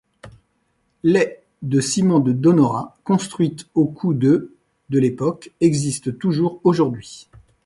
Les de ciment de Donora, construites au coût de de l'époque, existent toujours aujourd'hui.